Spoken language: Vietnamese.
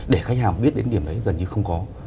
để khách hàng biết đến điểm đấy gần như không có